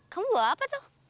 kamu bawa apa tuh